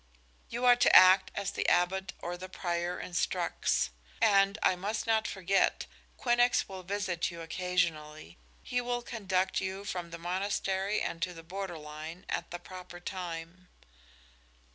"You are to act as the Abbot or the prior instructs. And, I must not forget, Quinnox will visit you occasionally. He will conduct you from the monastery and to the border line at the proper time."